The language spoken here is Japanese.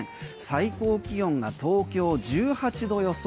最高気温が東京は１８度予想。